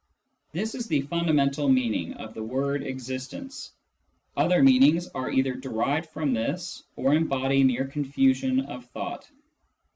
This is the fundamental mean ing of the word " existence." Other meanings are either derived from this, or embody mere confusion of thought.